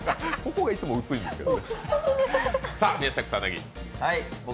ここがいつも薄いんですよ。